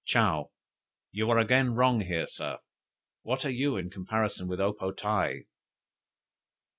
'" "Chow. 'You are again wrong here, Sir. What are you in comparison with O po tae?'"